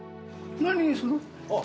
何にする？